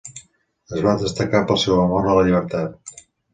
Es va destacar pel seu amor a la llibertat.